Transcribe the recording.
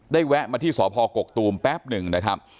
ได้แวะมาที่สภกกตูมแปปนึงน้อครับ